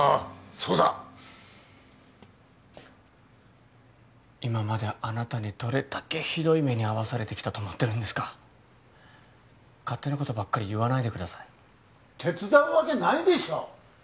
そうだ今まであなたにどれだけひどい目に遭わされてきたと思ってるんですか勝手なことばっかり言わないでください手伝うわけないでしょう